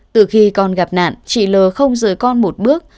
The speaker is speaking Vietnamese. từ khi con gặp nạn chị l không rời con một bước